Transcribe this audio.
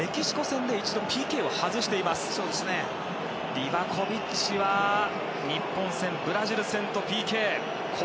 リバコビッチは日本戦ブラジル戦とＰＫ好調。